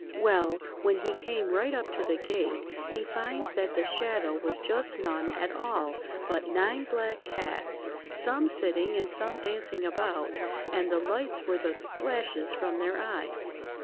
"Well, when he came right up to the gate he finds that the shadow was just none at all, but nine black cats, some sitting and some dancing about, and the lights were the flashes from their eyes.